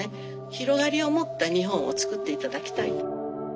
広がりを持った日本をつくって頂きたい。